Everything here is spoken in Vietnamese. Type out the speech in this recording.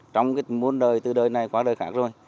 trong môn đời từ đời này qua đời khác rồi